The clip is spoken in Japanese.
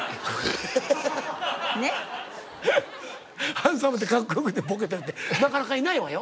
ハンサムでかっこよくてボケてるってなかなかいないわよ。